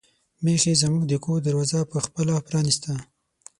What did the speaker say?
میښې زموږ د کور دروازه په خپله پرانیسته.